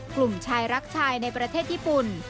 กลุ่มชายรักชายในประเทศญี่ปุ่น